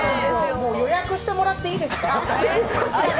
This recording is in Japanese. もう予約してもらっていいですか？